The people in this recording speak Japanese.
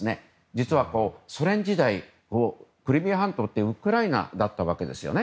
実は、ソ連時代クリミア半島ってウクライナだったわけですね。